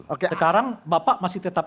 oke sekarang bapak masih tetap